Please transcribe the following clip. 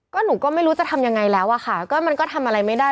ก็หนูก็ไม่รู้จะทำยังไงแล้วอะค่ะก็มันก็ทำอะไรไม่ได้